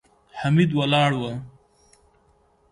حميد ولاړ و.